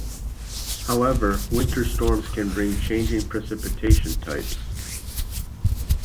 However, winter storms can bring changing precipitation types.